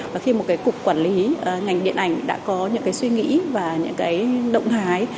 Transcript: và khi một cái cục quản lý ngành điện ảnh đã có những cái suy nghĩ và những cái động thái